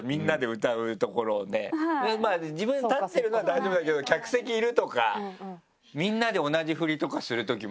まぁ自分で立ってるのは大丈夫だけど客席いるとかみんなで同じフリとかするときもあるしね。